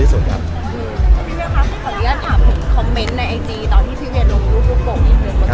อืมพี่เวียครับขออนุญาตถามคอมเมนต์ในไอจีตอนที่พี่เวียลงรูปรูปบกนี้เถอะครับ